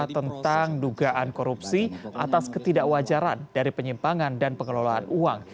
tentang dugaan korupsi atas ketidakwajaran dari penyimpangan dan pengelolaan uang